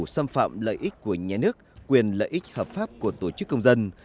xâm phạm lợi ích của nhà nước quyền lợi ích hợp pháp của tổ chức công dân